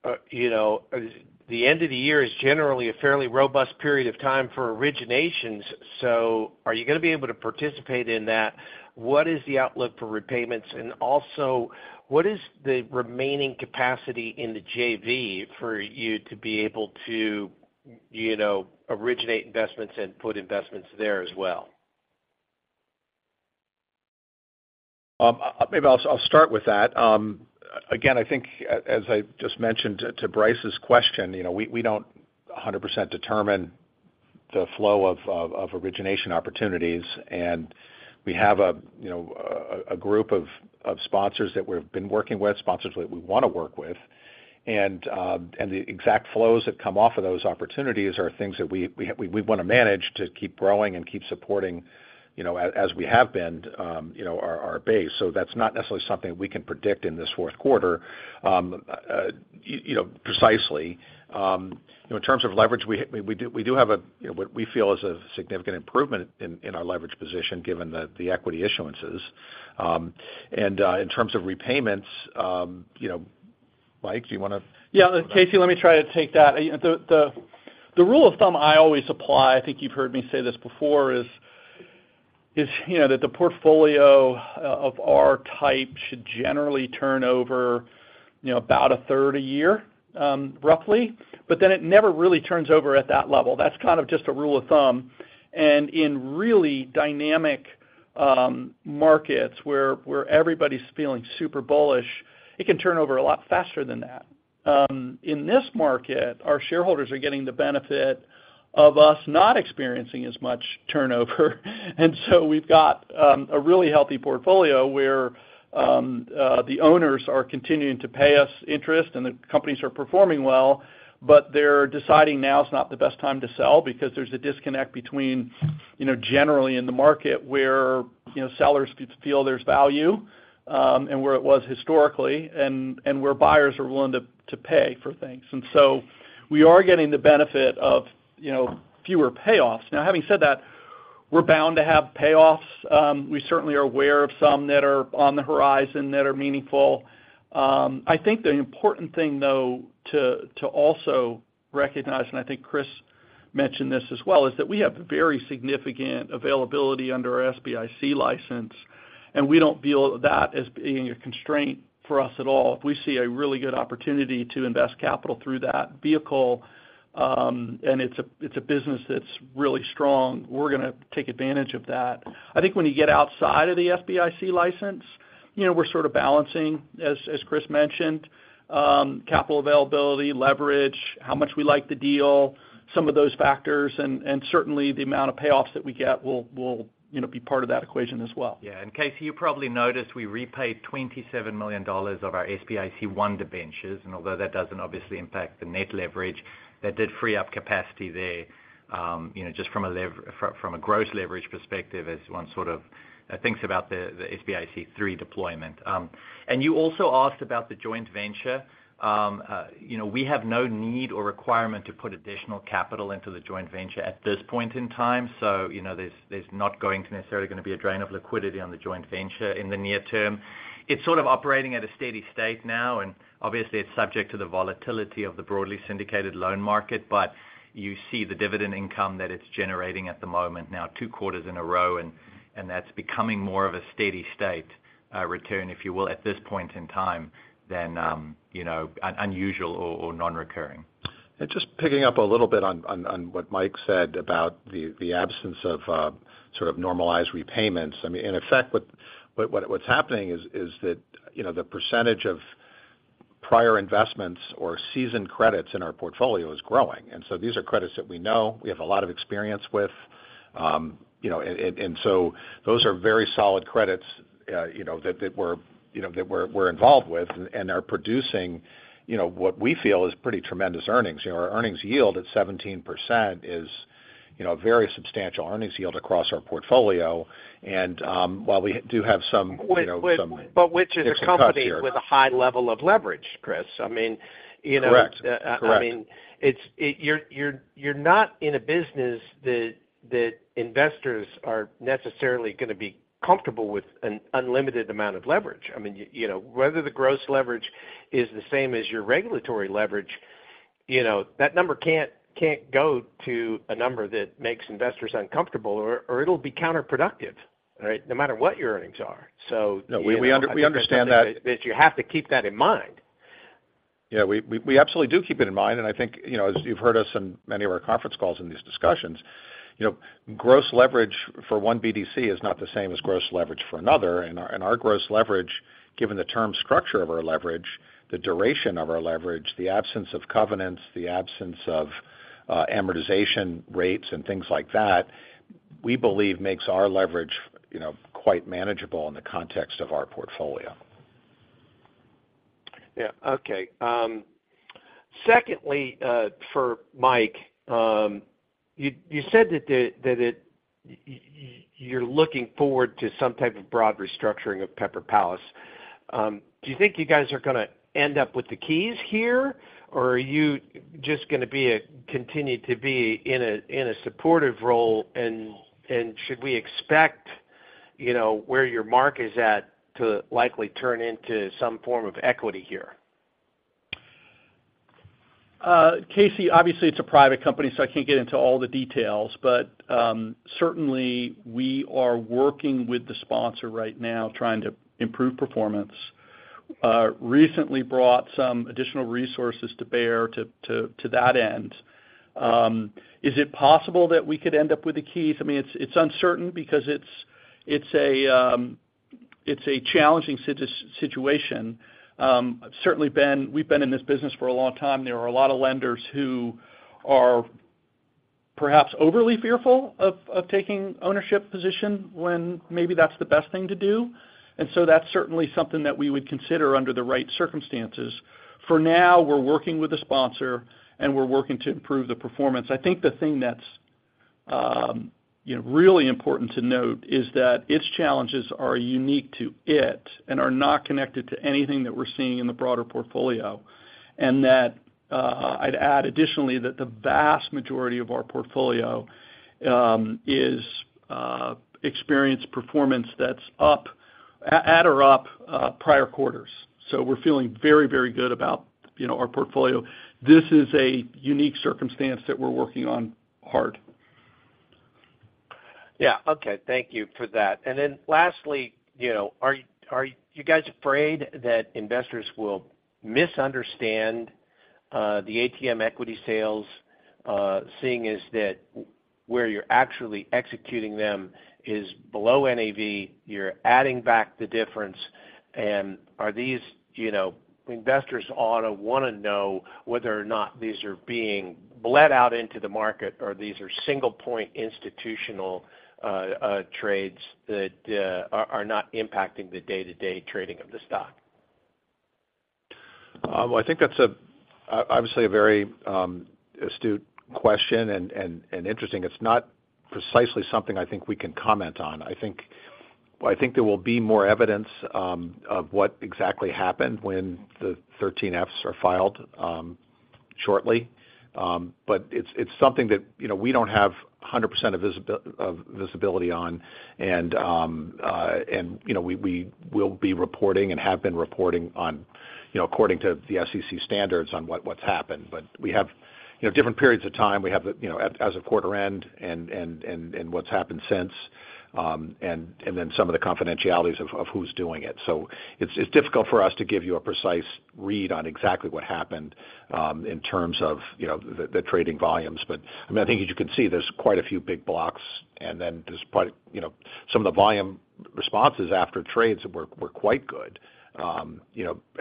the end of the year is generally a fairly robust period of time for originations. So are you going to be able to participate in that? What is the outlook for repayments? And also, what is the remaining capacity in the JV for you to be able to originate investments and put investments there as well? Maybe I'll start with that. Again, I think, as I just mentioned to Bryce's question, we don't 100% determine the flow of origination opportunities. We have a group of sponsors that we've been working with, sponsors that we want to work with. The exact flows that come off of those opportunities are things that we want to manage to keep growing and keep supporting as we have been our base. That's not necessarily something we can predict in this fourth quarter precisely. In terms of leverage, we do have a what we feel is a significant improvement in our leverage position given the equity issuances. In terms of repayments, Mike, do you want to? Yeah. Casey, let me try to take that. The rule of thumb I always apply, I think you've heard me say this before, is that the portfolio of our type should generally turn over about a third a year, roughly, but then it never really turns over at that level. That's kind of just a rule of thumb. In really dynamic markets where everybody's feeling super bullish, it can turn over a lot faster than that. In this market, our shareholders are getting the benefit of us not experiencing as much turnover. We've got a really healthy portfolio where the owners are continuing to pay us interest, and the companies are performing well, but they're deciding now's not the best time to sell because there's a disconnect between generally in the market where sellers feel there's value and where it was historically and where buyers are willing to pay for things. We are getting the benefit of fewer payoffs. Now, having said that, we're bound to have payoffs. We certainly are aware of some that are on the horizon that are meaningful. I think the important thing, though, to also recognize—and I think Chris mentioned this as well—is that we have very significant availability under our SBIC license, and we don't feel that as being a constraint for us at all. If we see a really good opportunity to invest capital through that vehicle, and it's a business that's really strong, we're going to take advantage of that. I think when you get outside of the SBIC license, we're sort of balancing, as Chris mentioned, capital availability, leverage, how much we like the deal, some of those factors. Certainly, the amount of payoffs that we get will be part of that equation as well. Yeah. And Casey, you probably noticed we repaid $27 million of our SBIC I debentures. And although that doesn't obviously impact the net leverage, that did free up capacity there just from a gross leverage perspective as one sort of thinks about the SBIC III deployment. And you also asked about the joint venture. We have no need or requirement to put additional capital into the joint venture at this point in time, so there's not going to necessarily be a drain of liquidity on the joint venture in the near term. It's sort of operating at a steady state now, and obviously, it's subject to the volatility of the broadly syndicated loan market. But you see the dividend income that it's generating at the moment now, two quarters in a row, and that's becoming more of a steady state return, if you will, at this point in time than unusual or non-recurring. And just picking up a little bit on what Mike said about the absence of sort of normalized repayments, I mean, in effect, what's happening is that the percentage of prior investments or seasoned credits in our portfolio is growing. And so these are credits that we know we have a lot of experience with. And so those are very solid credits that we're involved with and are producing what we feel is pretty tremendous earnings. Our earnings yield at 17% is a very substantial earnings yield across our portfolio. And while we do have some. Which is a company with a high level of leverage, Chris. I mean. Correct. Correct. I mean, you're not in a business that investors are necessarily going to be comfortable with an unlimited amount of leverage. I mean, whether the gross leverage is the same as your regulatory leverage, that number can't go to a number that makes investors uncomfortable, or it'll be counterproductive, right, no matter what your earnings are. So that. No, we understand that. That you have to keep that in mind. Yeah. We absolutely do keep it in mind. I think, as you've heard us in many of our conference calls in these discussions, gross leverage for one BDC is not the same as gross leverage for another. Our gross leverage, given the term structure of our leverage, the duration of our leverage, the absence of covenants, the absence of amortization rates, and things like that, we believe makes our leverage quite manageable in the context of our portfolio. Yeah. Okay. Secondly, for Mike, you said that you're looking forward to some type of broad restructuring of Pepper Palace. Do you think you guys are going to end up with the keys here, or are you just going to continue to be in a supportive role? And should we expect where your mark is at to likely turn into some form of equity here? Casey, obviously, it's a private company, so I can't get into all the details. But certainly, we are working with the sponsor right now trying to improve performance. Recently, brought some additional resources to bear to that end. Is it possible that we could end up with the keys? I mean, it's uncertain because it's a challenging situation. Certainly, Ben, we've been in this business for a long time. There are a lot of lenders who are perhaps overly fearful of taking ownership position when maybe that's the best thing to do. And so that's certainly something that we would consider under the right circumstances. For now, we're working with the sponsor, and we're working to improve the performance. I think the thing that's really important to note is that its challenges are unique to it and are not connected to anything that we're seeing in the broader portfolio. And that I'd add additionally that the vast majority of our portfolio is experienced performance that's at or up prior quarters. So we're feeling very, very good about our portfolio. This is a unique circumstance that we're working on hard. Yeah. Okay. Thank you for that. And then lastly, are you guys afraid that investors will misunderstand the ATM equity sales, seeing as that where you're actually executing them is below NAV, you're adding back the difference? And are these investors ought to want to know whether or not these are being bled out into the market, or these are single-point institutional trades that are not impacting the day-to-day trading of the stock? Well, I think that's obviously a very astute question and interesting. It's not precisely something I think we can comment on. I think there will be more evidence of what exactly happened when the 13Fs are filed shortly. But it's something that we don't have 100% of visibility on. And we will be reporting and have been reporting according to the SEC standards on what's happened. But we have different periods of time. We have as of quarter end and what's happened since and then some of the confidentialities of who's doing it. So it's difficult for us to give you a precise read on exactly what happened in terms of the trading volumes. But I mean, I think as you can see, there's quite a few big blocks. And then there's some of the volume responses after trades that were quite good.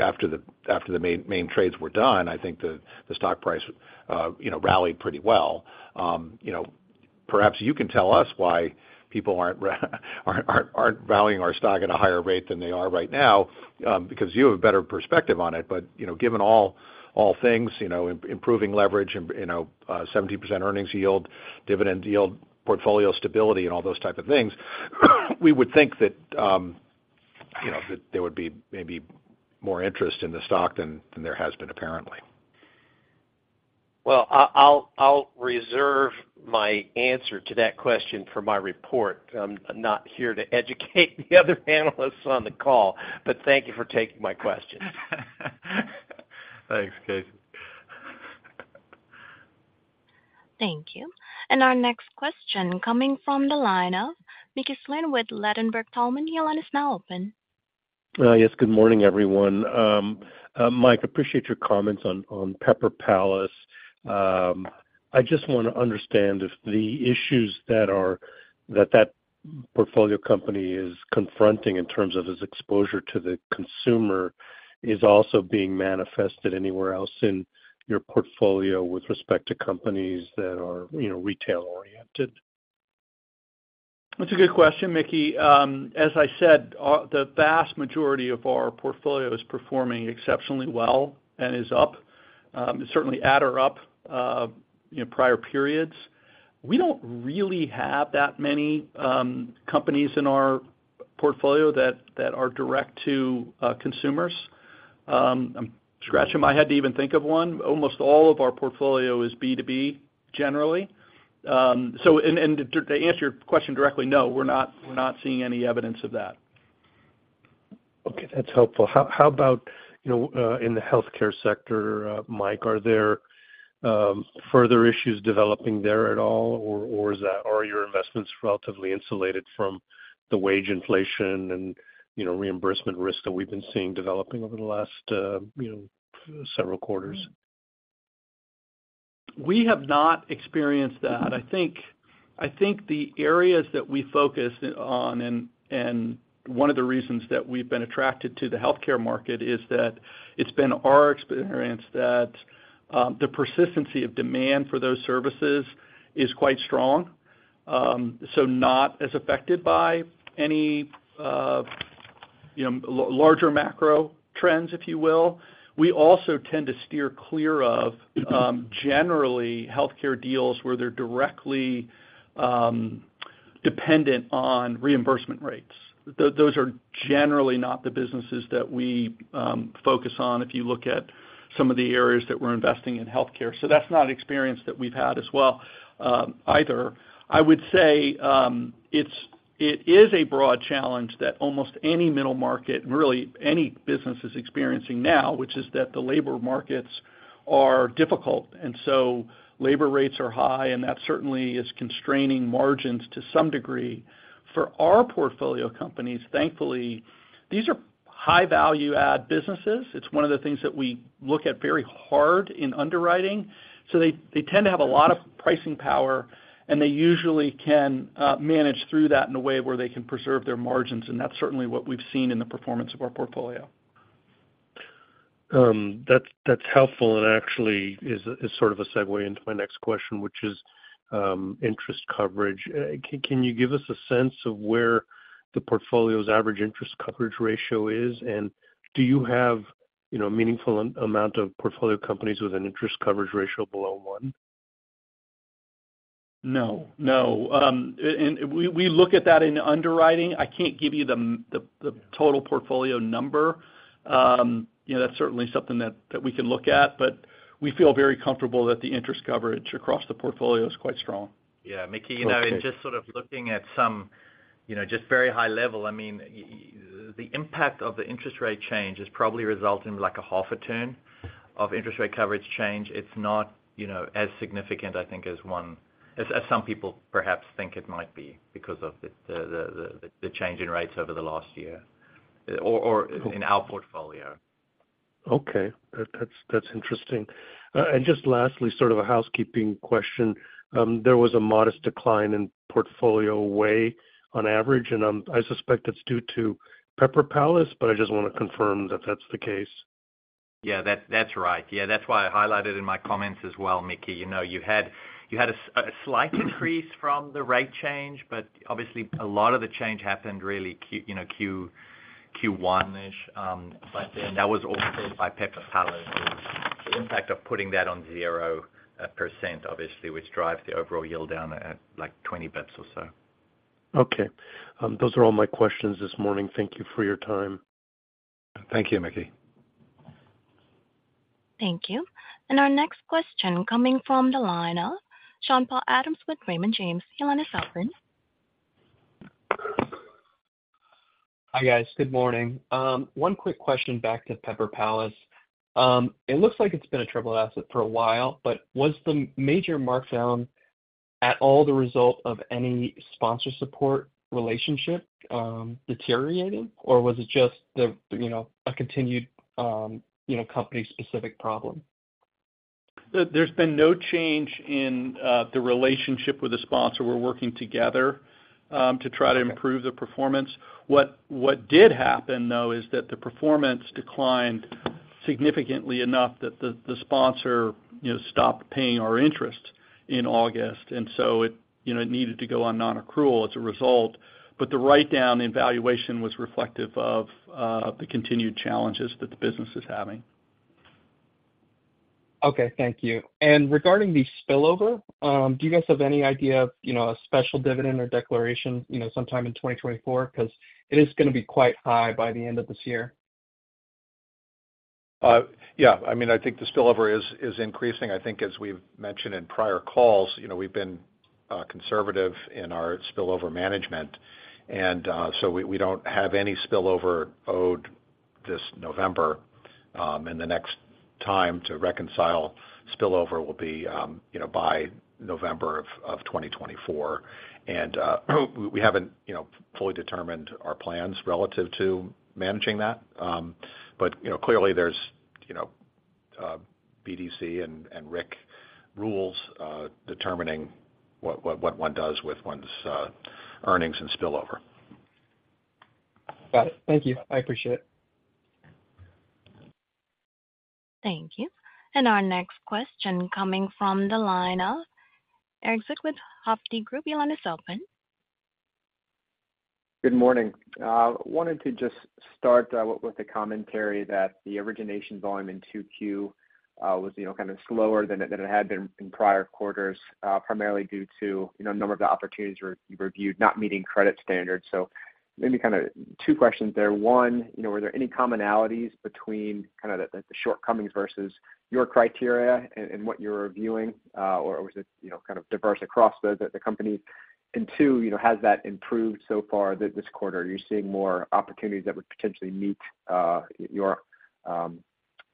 After the main trades were done, I think the stock price rallied pretty well. Perhaps you can tell us why people aren't valuing our stock at a higher rate than they are right now because you have a better perspective on it. But given all things, improving leverage, 70% earnings yield, dividend yield, portfolio stability, and all those type of things, we would think that there would be maybe more interest in the stock than there has been apparently. Well, I'll reserve my answer to that question for my report. I'm not here to educate the other analysts on the call. But thank you for taking my questions. Thanks, Casey. Thank you. And our next question coming from the line of Mickey Schleien with Ladenburg Thalmann. Your line's now open. Yes. Good morning, everyone. Mike, appreciate your comments on Pepper Palace. I just want to understand if the issues that that portfolio company is confronting in terms of its exposure to the consumer is also being manifested anywhere else in your portfolio with respect to companies that are retail-oriented? That's a good question, Mickey. As I said, the vast majority of our portfolio is performing exceptionally well and is up. It's certainly at or up prior periods. We don't really have that many companies in our portfolio that are direct to consumers. I'm scratching my head to even think of one. Almost all of our portfolio is B2B, generally. To answer your question directly, no, we're not seeing any evidence of that. Okay. That's helpful. How about in the healthcare sector, Mike? Are there further issues developing there at all, or are your investments relatively insulated from the wage inflation and reimbursement risk that we've been seeing developing over the last several quarters? We have not experienced that. I think the areas that we focus on and one of the reasons that we've been attracted to the healthcare market is that it's been our experience that the persistency of demand for those services is quite strong, so not as affected by any larger macro trends, if you will. We also tend to steer clear of, generally, healthcare deals where they're directly dependent on reimbursement rates. Those are generally not the businesses that we focus on if you look at some of the areas that we're investing in healthcare. So that's not experience that we've had as well either. I would say it is a broad challenge that almost any middle market and really any business is experiencing now, which is that the labor markets are difficult. And so labor rates are high, and that certainly is constraining margins to some degree. For our portfolio companies, thankfully, these are high-value-add businesses. It's one of the things that we look at very hard in underwriting. They tend to have a lot of pricing power, and they usually can manage through that in a way where they can preserve their margins. That's certainly what we've seen in the performance of our portfolio. That's helpful and actually is sort of a segue into my next question, which is interest coverage. Can you give us a sense of where the portfolio's average interest coverage ratio is? And do you have a meaningful amount of portfolio companies with an interest coverage ratio below 1? No. No. We look at that in underwriting. I can't give you the total portfolio number. That's certainly something that we can look at. But we feel very comfortable that the interest coverage across the portfolio is quite strong. Yeah. Mickey, in just sort of looking at some just very high level, I mean, the impact of the interest rate change is probably resulting in a half a turn of interest rate coverage change. It's not as significant, I think, as some people perhaps think it might be because of the change in rates over the last year or in our portfolio. Okay. That's interesting. And just lastly, sort of a housekeeping question. There was a modest decline in portfolio weight on average. And I suspect it's due to Pepper Palace, but I just want to confirm that that's the case. Yeah. That's right. Yeah. That's why I highlighted in my comments as well, Mickey. You had a slight increase from the rate change, but obviously, a lot of the change happened really Q1-ish. But then that was offset by Pepper Palace, the impact of putting that on 0%, obviously, which drives the overall yield down at 20 bps or so. Okay. Those are all my questions this morning. Thank you for your time. Thank you, Mickey. Thank you. Our next question coming from the line of Sean-Paul Adams with Raymond James. Your line is open. Hi, guys. Good morning. One quick question back to Pepper Palace. It looks like it's been a troubled asset for a while, but was the major markdown at all the result of any sponsor support relationship deteriorating, or was it just a continued company-specific problem? There's been no change in the relationship with the sponsor. We're working together to try to improve the performance. What did happen, though, is that the performance declined significantly enough that the sponsor stopped paying our interest in August. And so it needed to go on non-accrual as a result. But the write-down in valuation was reflective of the continued challenges that the business is having. Okay. Thank you. Regarding the spillover, do you guys have any idea of a special dividend or declaration sometime in 2024? Because it is going to be quite high by the end of this year. Yeah. I mean, I think the spillover is increasing. I think, as we've mentioned in prior calls, we've been conservative in our spillover management. And so we don't have any spillover owed this November. The next time to reconcile spillover will be by November of 2024. We haven't fully determined our plans relative to managing that. Clearly, there's BDC and RIC rules determining what one does with one's earnings and spillover. Got it. Thank you. I appreciate it. Thank you. Our next question coming from the line of Erik Zwick with Hovde Group. Your line is open. Good morning. I wanted to just start with a commentary that the origination volume in 2Q was kind of slower than it had been in prior quarters, primarily due to a number of the opportunities reviewed not meeting credit standards. Maybe kind of two questions there. One, were there any commonalities between kind of the shortcomings versus your criteria and what you're reviewing, or was it kind of diverse across the companies? Two, has that improved so far this quarter? Are you seeing more opportunities that would potentially meet your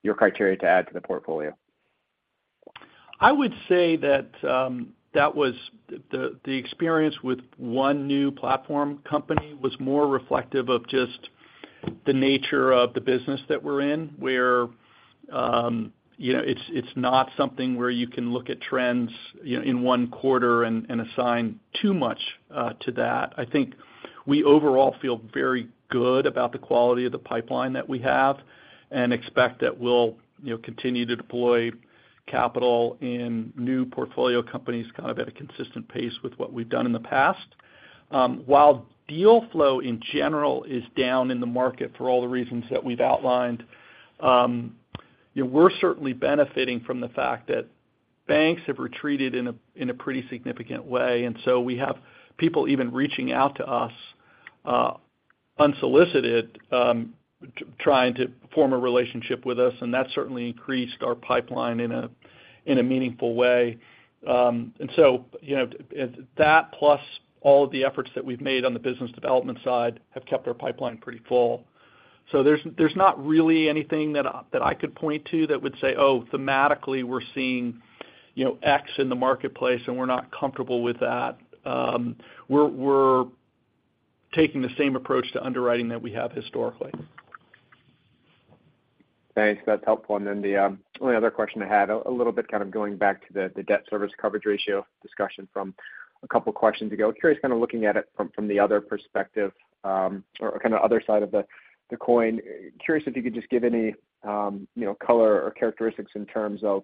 criteria to add to the portfolio? I would say that the experience with one new platform company was more reflective of just the nature of the business that we're in, where it's not something where you can look at trends in one quarter and assign too much to that. I think we overall feel very good about the quality of the pipeline that we have and expect that we'll continue to deploy capital in new portfolio companies kind of at a consistent pace with what we've done in the past. While deal flow, in general, is down in the market for all the reasons that we've outlined, we're certainly benefiting from the fact that banks have retreated in a pretty significant way. And so we have people even reaching out to us unsolicited, trying to form a relationship with us. And that's certainly increased our pipeline in a meaningful way. And so that plus all of the efforts that we've made on the business development side have kept our pipeline pretty full. So there's not really anything that I could point to that would say, "Oh, thematically, we're seeing X in the marketplace, and we're not comfortable with that." We're taking the same approach to underwriting that we have historically. Thanks. That's helpful. And then the only other question I had, a little bit kind of going back to the debt service coverage ratio discussion from a couple of questions ago. Curious kind of looking at it from the other perspective or kind of other side of the coin, curious if you could just give any color or characteristics in terms of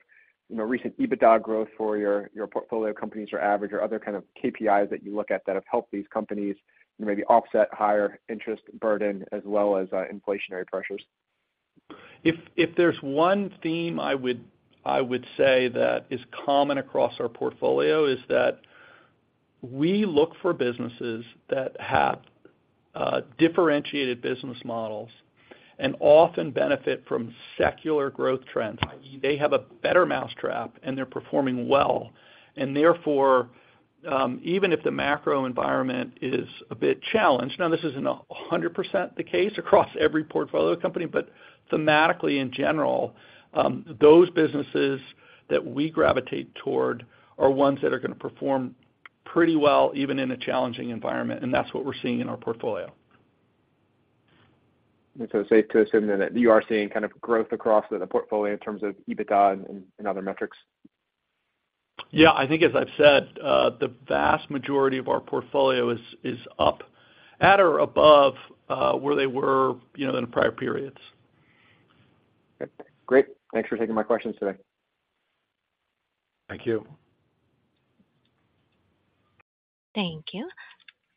recent EBITDA growth for your portfolio companies or average or other kind of KPIs that you look at that have helped these companies maybe offset higher interest burden as well as inflationary pressures. If there's one theme I would say that is common across our portfolio is that we look for businesses that have differentiated business models and often benefit from secular growth trends, i.e., they have a better mousetrap, and they're performing well. Therefore, even if the macro environment is a bit challenged now, this isn't 100% the case across every portfolio company. But thematically, in general, those businesses that we gravitate toward are ones that are going to perform pretty well even in a challenging environment. That's what we're seeing in our portfolio. So it's safe to assume then that you are seeing kind of growth across the portfolio in terms of EBITDA and other metrics? Yeah. I think, as I've said, the vast majority of our portfolio is up at or above where they were in prior periods. Okay. Great. Thanks for taking my questions today. Thank you. Thank you.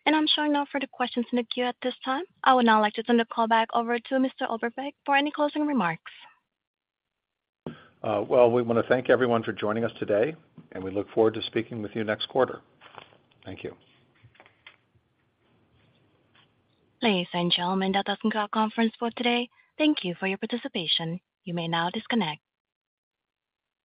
And I'm showing no further questions in the queue at this time. I would now like to send a callback over to Mr. Oberbeck for any closing remarks. Well, we want to thank everyone for joining us today. We look forward to speaking with you next quarter. Thank you. Ladies and gentlemen, that does conclude our conference for today. Thank you for your participation. You may now disconnect.